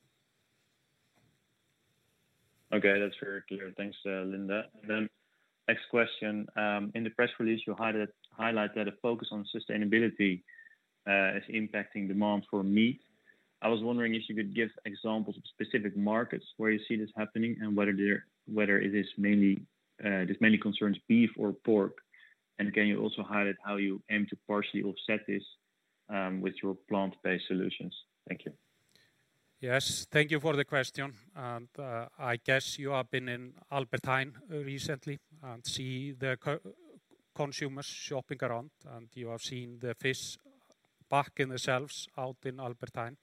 Okay, that's very clear. Thanks, Linda. Next question. In the press release, you highlighted a focus on sustainability is impacting demand for meat. I was wondering if you could give examples of specific markets where you see this happening and whether this mainly concerns beef or pork. Can you also highlight how you aim to partially offset this with your plant-based solutions? Thank you. Yes. Thank you for the question. I guess you have been in Albert Heijn recently and see the consumers shopping around, and you have seen the fish back in the shelves out in Albert Heijn.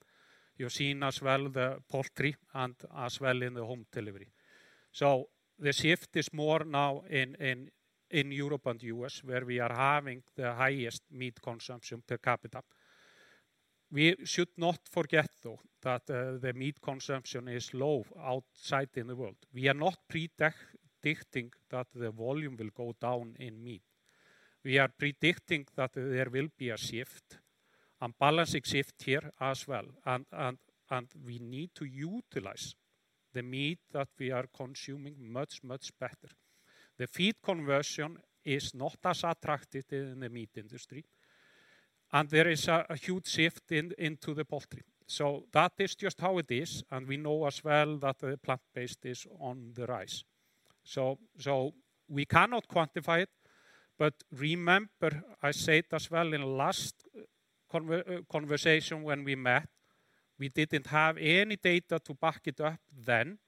You've seen as well the poultry and as well in the home delivery. The shift is more now in Europe and U.S., where we are having the highest meat consumption per capita. We should not forget, though, that the meat consumption is low outside in the world. We are not predicting that the volume will go down in meat. We are predicting that there will be a shift and balancing shift here as well. We need to utilize the meat that we are consuming much, much better. The feed conversion is not as attractive in the meat industry, and there is a huge shift into the poultry. That is just how it is. We know as well that the plant-based is on the rise. We cannot quantify it. Remember, I said as well in last conversation when we met, we didn't have any data to back it up then.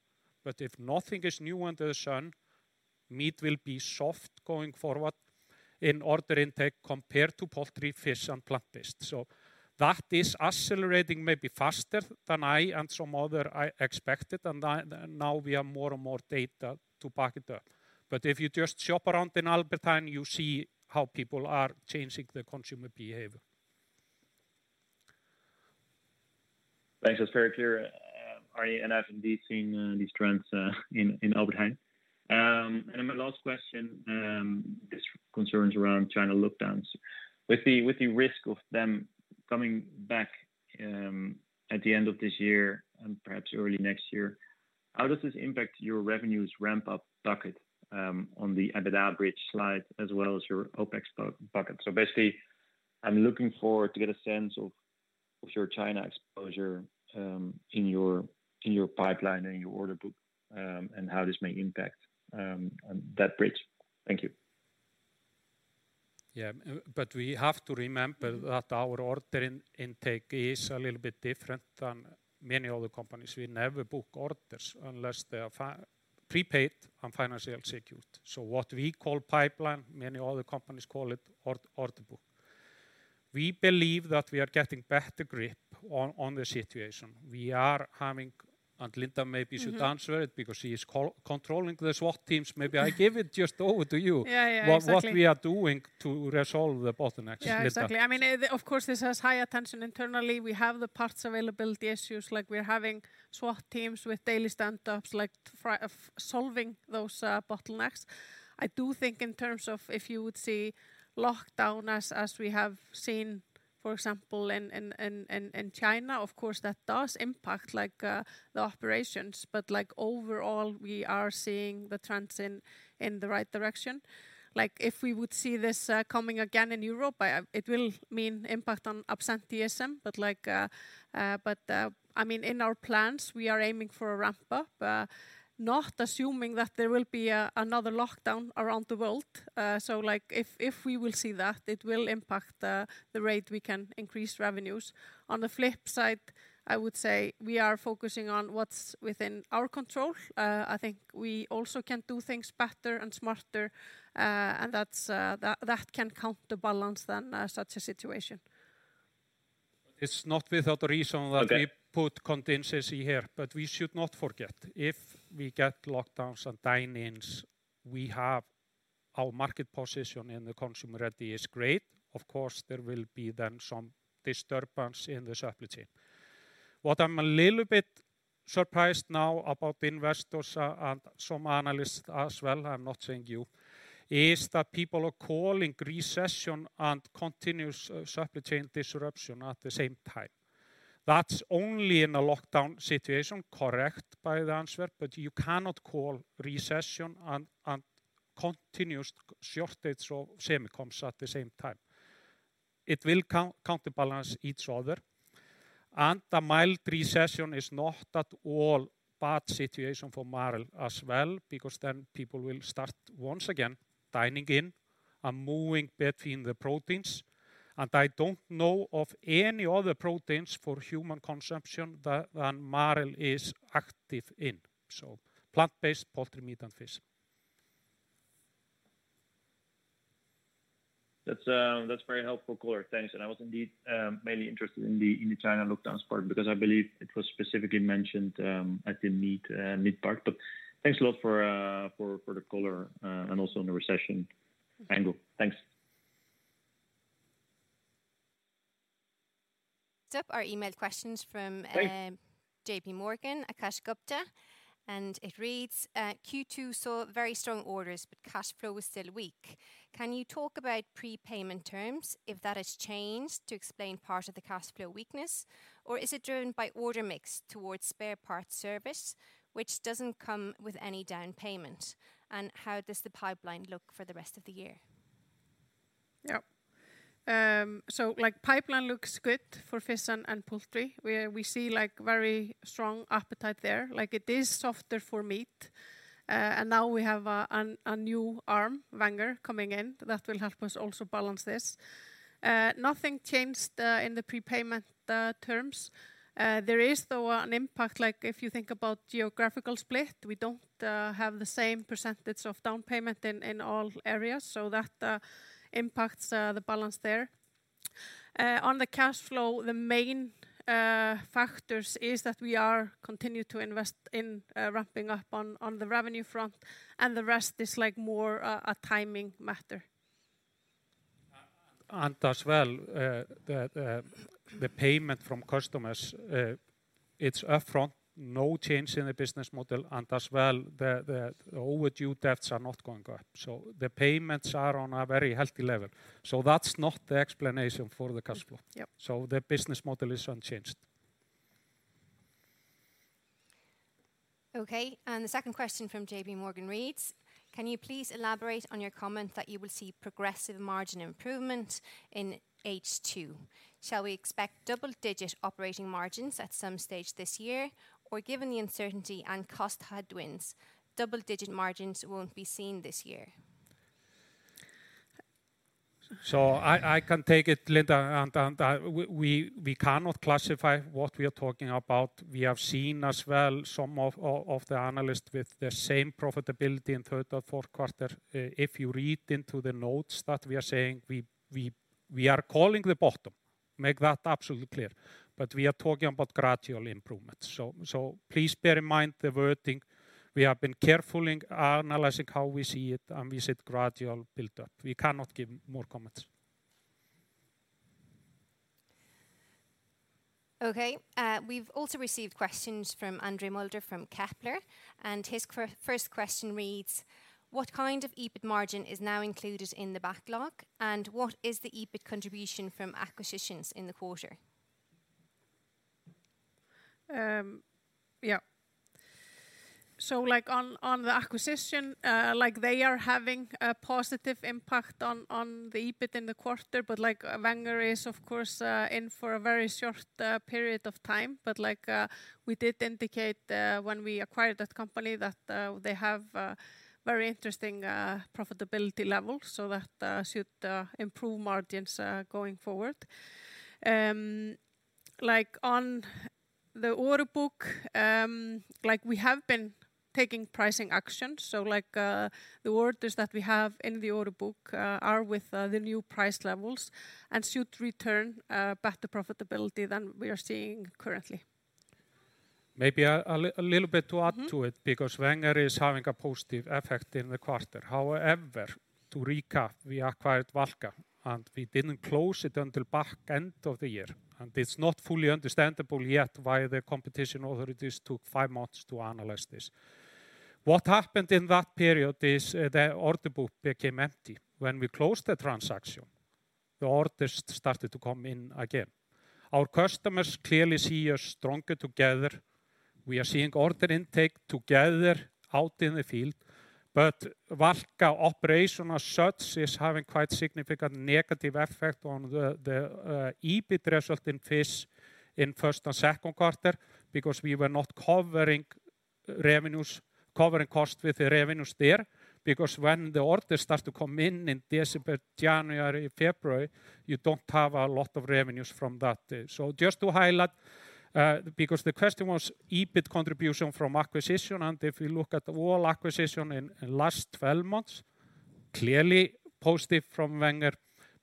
If nothing is new under the sun, meat will be soft going forward in order intake compared to poultry, fish, and plant-based. That is accelerating maybe faster than I and some other I expected. Now we have more and more data to back it up. If you just shop around in Albert Heijn, you see how people are changing the consumer behavior. Thanks. That's very clear, Arni, and I've indeed seen these trends in Albert Heijn. My last question is concerns around China lockdowns. With the risk of them coming back at the end of this year and perhaps early next year, how does this impact your revenues ramp-up docket on the EBITDA bridge slide as well as your OpEx bucket? So basically, I'm looking for to get a sense of your China exposure in your pipeline and your order book, and how this may impact on that bridge. Thank you. We have to remember that our order intake is a little bit different than many other companies. We never book orders unless they are prepaid and financially secured. What we call pipeline, many other companies call it order book. We believe that we are getting better grip on the situation. Linda maybe should answer it because she is controlling the SWAT teams. Maybe I give it just over to you, what we are doing to resolve the bottlenecks with that. Yeah, exactly. I mean, of course, this has high attention internally. We have the parts availability issues, like we're having SWAT teams with daily stand-ups, like solving those bottlenecks. I do think in terms of if you would see lockdown as we have seen, for example, in China, of course, that does impact, like, the operations. Like overall, we are seeing the trends in the right direction. Like if we would see this coming again in Europe, it will mean impact on absenteeism. Like, I mean, in our plans, we are aiming for a ramp-up, not assuming that there will be another lockdown around the world. Like if we will see that, it will impact the rate we can increase revenues. On the flip side, I would say we are focusing on what's within our control. I think we also can do things better and smarter, and that's, that can counterbalance then such a situation. It's not without reason that we put contingency here, but we should not forget, if we get lockdowns and dine-ins, we have our market position and the consumer ready is great. Of course, there will be then some disturbance in the supply chain. What I'm a little bit surprised now about investors and some analysts as well, I'm not saying you, is that people are calling recession and continuous supply chain disruption at the same time. That's only in a lockdown situation, correct but the answer, but you cannot call recession and continuous shortage of semiconductors at the same time. It will counterbalance each other. A mild recession is not at all bad situation for Marel as well, because then people will start once again dining in and moving between the proteins, and I don't know of any other proteins for human consumption that Marel is active in. Plant-based poultry, meat, and fish. That's very helpful color. Thanks. I was indeed mainly interested in the China lockdowns part because I believe it was specifically mentioned at the meat part. Thanks a lot for the color and also on the recession angle. Thanks. Next up, our email question's from, JPMorgan, Akash Gupta, and it reads, "Q2 saw very strong orders, but cash flow was still weak. Can you talk about prepayment terms, if that has changed to explain part of the cash flow weakness? Is it driven by order mix towards spare parts service, which doesn't come with any down payment? And how does the pipeline look for the rest of the year?" Yeah. Like pipeline looks good for fish and poultry. We see like very strong appetite there. Like it is softer for meat. Now we have a new arm, Wenger, coming in that will help us also balance this. Nothing changed in the prepayment terms. There is though an impact, like if you think about geographical split, we don't have the same percentage of down payment in all areas. That impacts the balance there. On the cash flow, the main factors is that we are continue to invest in ramping up on the revenue front, and the rest is like more a timing matter. As well, the payment from customers, it's upfront, no change in the business model, and as well the overdue debts are not going up. The payments are on a very healthy level. That's not the explanation for the cash flow. The business model is unchanged. Okay, and the second question from JPMorgan reads: "Can you please elaborate on your comment that you will see progressive margin improvement in H2? Shall we expect double-digit operating margins at some stage this year? Given the uncertainty and cost headwinds, double-digit margins won't be seen this year?" I can take it, Linda, we cannot classify what we are talking about. We have seen as well some of the analysts with the same profitability in third or fourth quarter. If you read into the notes that we are saying, we are calling the bottom. Make that absolutely clear. We are talking about gradual improvements. Please bear in mind the wording. We have been careful in analyzing how we see it, and we said gradual build up. We cannot give more comments. Okay. We've also received questions from André Mulder from Kepler Cheuvreux, and his first question reads: "What kind of EBIT margin is now included in the backlog? And what is the EBIT contribution from acquisitions in the quarter? Like on the acquisition, they are having a positive impact on the EBIT in the quarter, but like Valka is of course in for a very short period of time. Like, we did indicate when we acquired that company that they have very interesting profitability levels. That should improve margins going forward. Like on the order book, like we have been taking pricing actions. Like, the orders that we have in the order book are with the new price levels and should return better profitability than we are seeing currently. Maybe a little bit to add to it because Valka is having a positive effect in the quarter. However, to recap, we acquired Valka, and we didn't close it until back end of the year. It's not fully understandable yet why the competition authorities took five months to analyze this. What happened in that period is the order book became empty. When we closed the transaction, the orders started to come in again. Our customers clearly see us stronger together. We are seeing order intake together out in the field. Valka operation as such is having quite significant negative effect on the EBIT result in Fish in first and second quarter because we were not covering revenues, covering costs with the revenues there, because when the orders start to come in in December, January, February, you don't have a lot of revenues from that. Just to highlight, because the question was EBIT contribution from acquisition, and if you look at all acquisition in last 12 months, clearly positive from Wenger.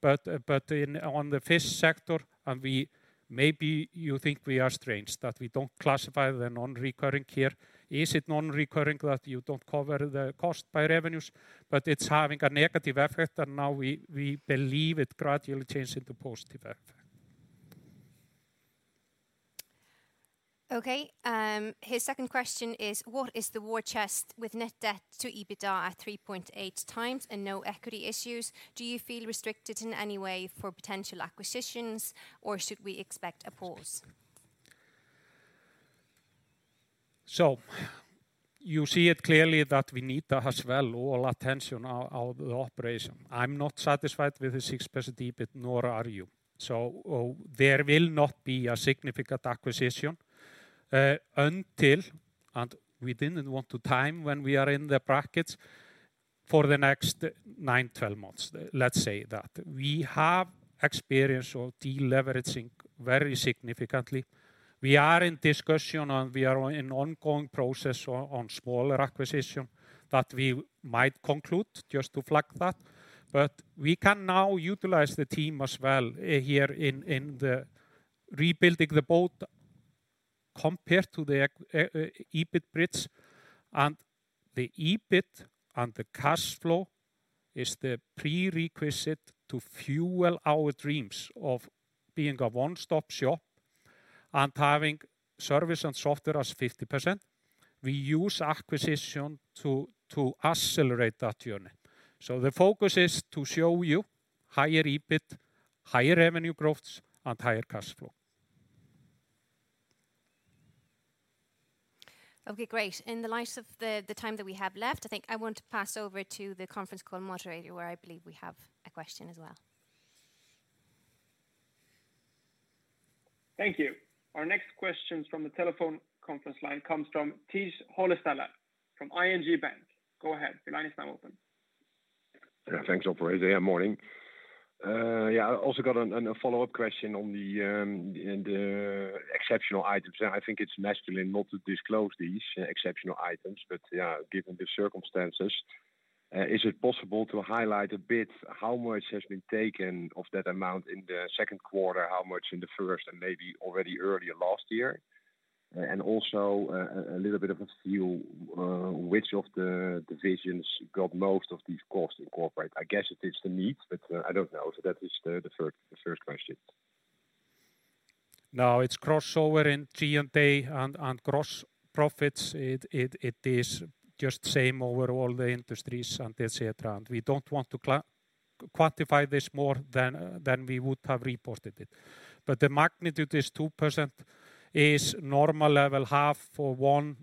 On the fish sector, maybe you think we are strange that we don't classify the non-recurring here. Is it non-recurring that you don't cover the cost by revenues? It's having a negative effect, and now we believe it gradually changes to positive effect. Okay. His second question is, what is the war chest with net debt to EBITDA at 3.8x and no equity issues? Do you feel restricted in any way for potential acquisitions or should we expect a pause? You see it clearly that we need to as well all attention on the operation. I'm not satisfied with the 6% EBIT, nor are you. There will not be a significant acquisition until we don't want to time when we are in the black for the next nine, 12 months, let's say that. We have experience of deleveraging very significantly. We are in discussion and we are in ongoing process on smaller acquisition that we might conclude, just to flag that. We can now utilize the team as well here in the rebuilding the boat compared to the actual EBIT bridge. The EBIT and the cash flow is the prerequisite to fuel our dreams of being a one-stop shop and having service and software as 50%. We use acquisition to accelerate that journey. The focus is to show you higher EBIT, higher revenue growths, and higher cash flow. Okay, great. In the light of the time that we have left, I think I want to pass over to the conference call moderator, where I believe we have a question as well. Thank you. Our next question from the telephone conference line comes from Tijs Hollestelle from ING Bank. Go ahead. The line is now open. Yeah. Thanks, operator. Morning. I also got a follow-up question on the exceptional items. I think it's natural not to disclose these exceptional items, but given the circumstances, is it possible to highlight a bit how much has been taken of that amount in the second quarter? How much in the first and maybe already earlier last year? And also a little bit of a feel, which of the divisions got most of these costs incurred? I guess it is the needs, but I don't know. That is the first question. No, it's crossover in G&A and gross profits. It is just same over all the industries and etc., and we don't want to quantify this more than we would have reported it. The magnitude is 2% is normal level half for one.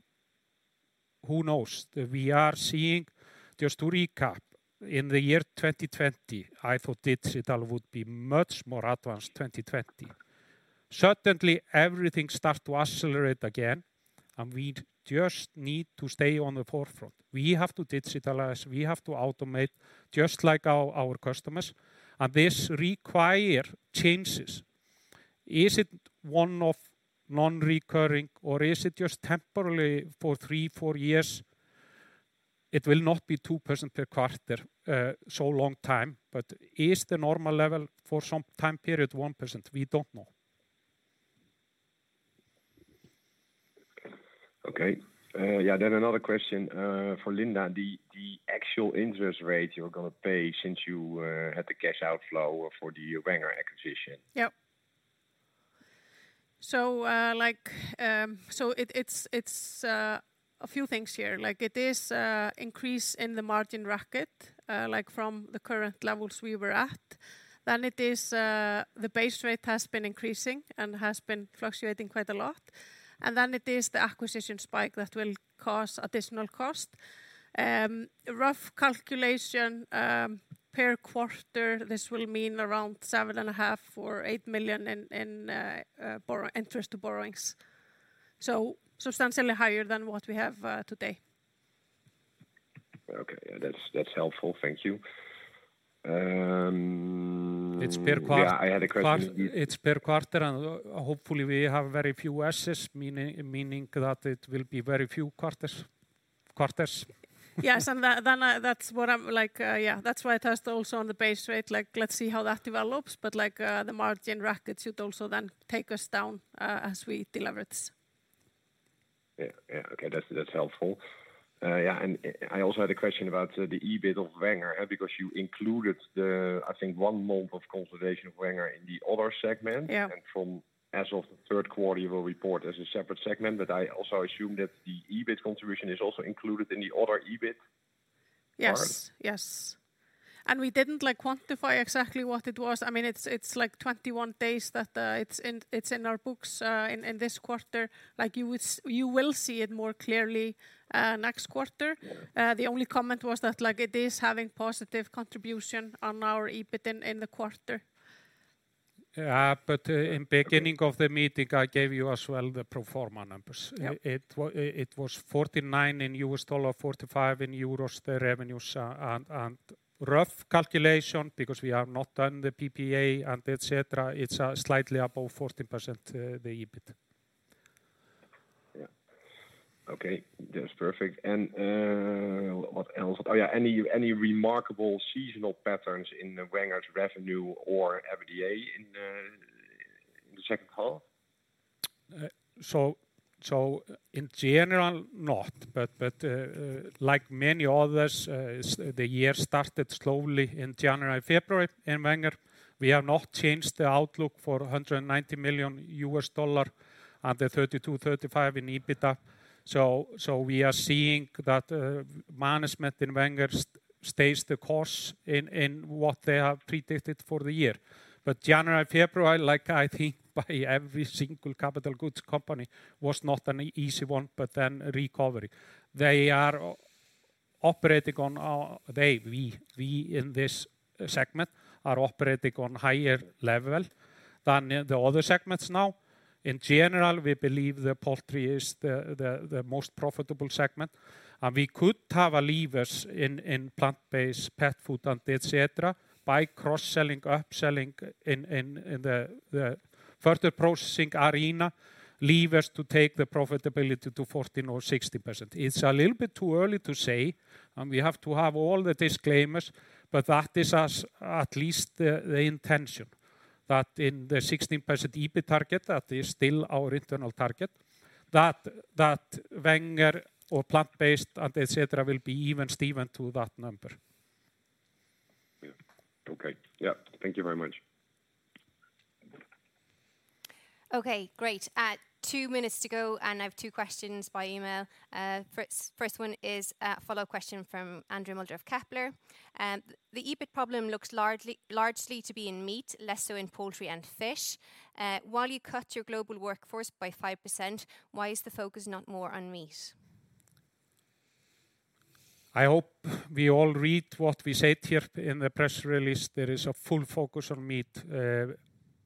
Who knows? We are seeing, just to recap, in the year 2020, I thought digital would be much more advanced, 2020. Suddenly everything start to accelerate again, and we just need to stay on the forefront. We have to digitalize, we have to automate just like our customers, and this require changes. Is it one-off non-recurring or is it just temporarily for three, four years? It will not be 2% per quarter, so long-term, but is the normal level for some time period 1%? We don't know. Another question for Linda. The actual interest rate you're going to pay since you had the cash outflow for the Wenger acquisition. Yep. It's a few things here. It is increase in the margin ratchet from the current levels we were at. The base rate has been increasing and has been fluctuating quite a lot. It is the acquisition spike that will cause additional cost. Rough calculation per quarter, this will mean around 7.5 million or 8 million in interest on borrowings. Substantially higher than what we have today. Okay. Yeah, that's helpful. Thank you. Yeah, I had a question. It's per quarter, and hopefully we have very few S's, meaning that it will be very few quarters. Yes. That's what I'm like, yeah. That's why it has also on the base rate, like let's see how that develops. Like, the margin ratchet should also then take us down, as we deleverage. Yeah. Yeah. Okay. That's helpful. Yeah, and I also had a question about the EBIT of Wenger, because you included the, I think one month of consolidation of Wenger in the other segment. As of the third quarter, you will report as a separate segment. I also assume that the EBIT contribution is also included in the other EBIT part. Yes. We didn't quite quantify exactly what it was. I mean, it's like 21 days that it's in our books in this quarter. Like you will see it more clearly next quarter. The only comment was that like it is having positive contribution on our EBIT in the quarter. In beginning of the meeting, I gave you as well the pro forma numbers. It was $49 in U.S. dollar, 45 in euros, the revenues. Rough calculation because we have not done the PPA and et cetera, it's slightly above 14%, the EBIT. Yeah. Okay. That's perfect. What else? Oh, yeah. Any remarkable seasonal patterns in the Wenger's revenue or EBITDA in the second half? In general, not. Like many others, the year started slowly in January, February, in Wenger. We have not changed the outlook for $190 million and 32 million, $35 million in EBITDA. We are seeing that management in Wenger stays the course in what they have predicted for the year. January, February, like I think by every single capital goods company, was not an easy one, but then recovery. We in this segment are operating on higher level than the other segments now. In general, we believe the poultry is the most profitable segment. We could have levers in plant-based pet food and et cetera, by cross-selling, upselling in the further processing arena, levers to take the profitability to 14% or 16%. It's a little bit too early to say, and we have to have all the disclaimers, but that is at least the intention that in the 16% EBIT target, that is still our internal target. That Wenger or plant-based and et cetera will be even-steven to that number. Yeah. Okay. Yeah. Thank you very much. Okay, great. Two minutes to go, and I have two questions by email. First one is a follow-up question from André Mulder of Kepler Cheuvreux. The EBIT problem looks largely to be in meat, less so in poultry and fish. While you cut your global workforce by 5%, why is the focus not more on meat? I hope we all read what we said here in the press release. There is a full focus on meat,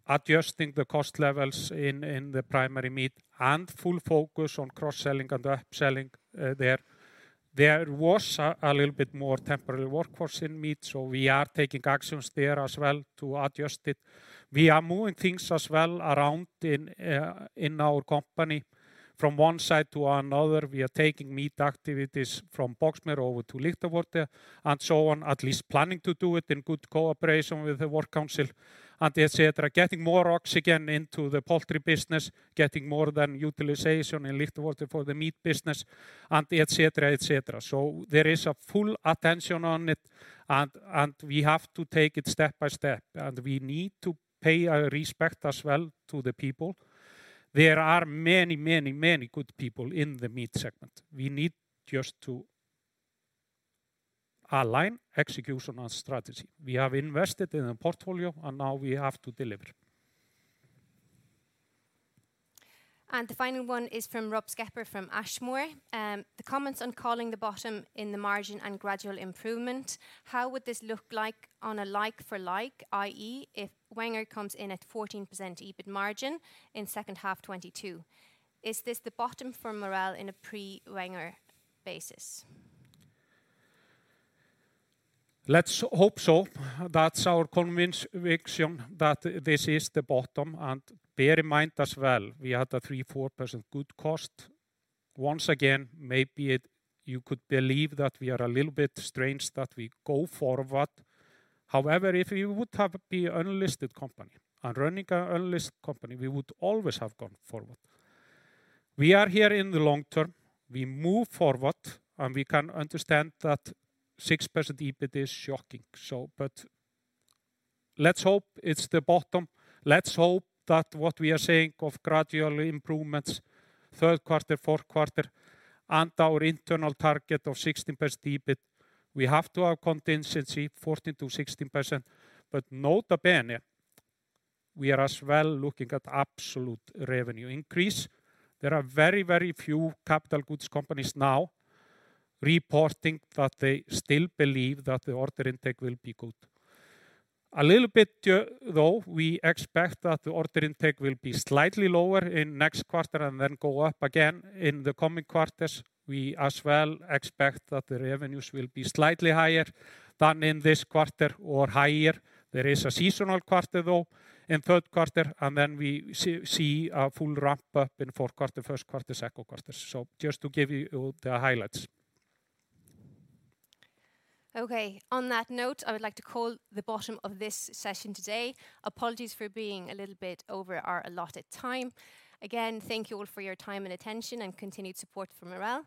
adjusting the cost levels in the primary meat and full focus on cross-selling and upselling there. There was a little bit more temporary workforce in meat, so we are taking actions there as well to adjust it. We are moving things as well around in our company from one side to another. We are taking meat activities from Boxmeer over to Lichtenvoorde and so on, at least planning to do it in good cooperation with the work council and et cetera. Getting more oxygen into the poultry business, getting more utilization in Lichtenvoorde for the meat business and etc. There is a full attention on it and we have to take it step by step, and we need to pay respect as well to the people. There are many good people in the meat segment. We need just to align execution and strategy. We have invested in a portfolio, and now we have to deliver. The final one is from Rob Skepper from Ashmore. The comments on calling the bottom in the margin and gradual improvement, how would this look like on a like for like, i.e., if Wenger comes in at 14% EBIT margin in second half 2022? Is this the bottom for Marel in a pre-Wenger basis? Let's hope so. That's our conviction that this is the bottom. Bear in mind as well, we had a 3-4% good cost. Once again, maybe it, you could believe that we are a little bit strange that we go forward. However, if we would have been unlisted company and running a unlisted company, we would always have gone forward. We are here in the long-term. We move forward, and we can understand that 6% EBIT is shocking. Let's hope it's the bottom. Let's hope that what we are saying of gradual improvements, third quarter, fourth quarter, and our internal target of 16% EBIT, we have to have contingency 14%-16%. Notably, we are as well looking at absolute revenue increase. There are very, very few capital goods companies now reporting that they still believe that the order intake will be good. A little bit, though, we expect that the order intake will be slightly lower in next quarter and then go up again in the coming quarters. We as well expect that the revenues will be slightly higher than in this quarter or higher. There is a seasonal quarter, though, in third quarter, and then we see a full ramp-up in fourth quarter, first quarter, second quarter. Just to give you the highlights. Okay. On that note, I would like to call the bottom of this session today. Apologies for being a little bit over our allotted time. Again, thank you all for your time and attention and continued support for Marel.